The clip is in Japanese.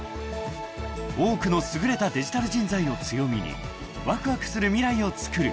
［多くの優れたデジタル人材を強みにわくわくする未来をつくる］